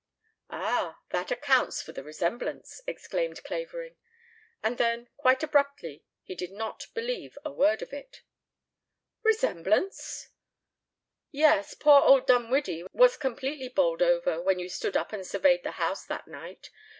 "Ah! That accounts for the resemblance!" exclaimed Clavering. And then, quite abruptly, he did not believe a word of it. "Resemblance?" "Yes, poor old Dinwiddie was completely bowled over when you stood up and surveyed the house that night.